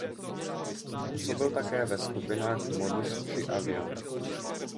Působil také ve skupinách Modus či Avion.